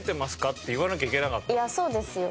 いやそうですよ。